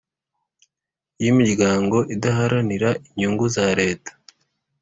Y’ imiryango idaharanira inyungu za leta